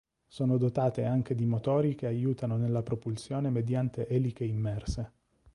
Sono dotate anche di motori che aiutano nella propulsione mediante eliche immerse.